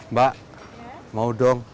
mbak mau dong